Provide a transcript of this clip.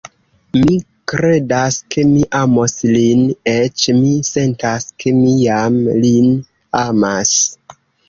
Mi kredas, ke mi amos lin; eĉ mi sentas, ke mi jam lin amas.